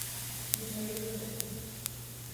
Limoeiro do Norte